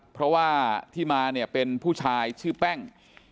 เพราะว่าที่มาเนี่ยเป็นผู้ชายชื่อแป้ง